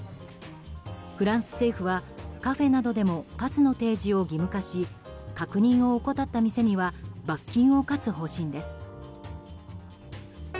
フランス政府はカフェなどでもパスの提示を義務化し確認を怠った店には罰金を科す方針です。